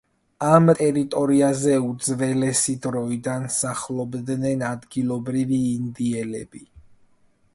ამ ტერიტორიაზე უძველესი დროიდან სახლობდნენ ადგილობრივი ინდიელები.